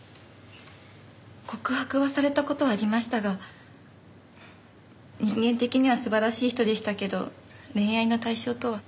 告白はされた事はありましたが人間的には素晴らしい人でしたけど恋愛の対象とは。